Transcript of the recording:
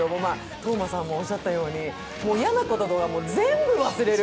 斗真さんもおっしゃっていたように嫌なこと全部忘れる。